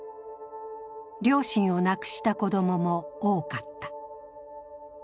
両親を亡くした子供も多かった。